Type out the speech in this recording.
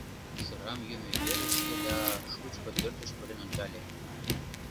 Сырам йӱмӧ верышке да шучко пӧртыш пурен ончале.